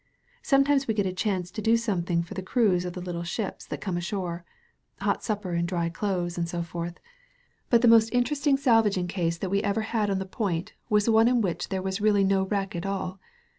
Sometimes we get a chance to do something for the crews of the little ships that come ashore — ^hot supper and dry clothes and so rorth. But the most interesting salvage case that U9 THE VALLEY OF VISION we ever had on the point was one in which there was reaUy no wreck at all.